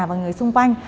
và người xung quanh